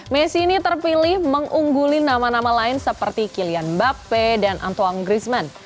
messi ini terpilih mengungguli nama nama lain seperti kylian mbappe dan antoang grisman